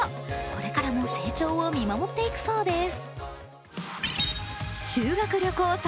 これからも成長を見守っていくそうです。